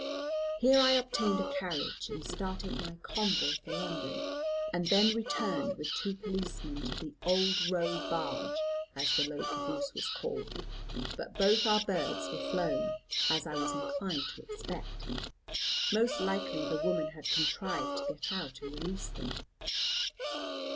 Here I obtained a carriage, and started my convoy for London, and then returned with two policemen to the "Old Row Barge," as the low caboose was called. But both our birds were flown, as I was inclined to expect. Most likely the woman had contrived to get out, and release them.